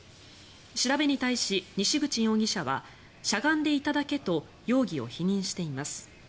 調べに対し、西口容疑者はしゃがんでいただけと容疑を否認しています。